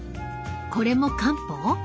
これも漢方？